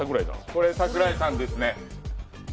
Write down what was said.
それ、桜井さんですね？